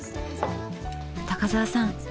高沢さん